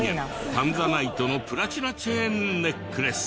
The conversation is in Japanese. タンザナイトのプラチナチェーンネックレス。